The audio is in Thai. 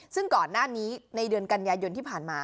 ซึ่งก่อนหน้านี้ในเดือนกันยายนที่ผ่านมา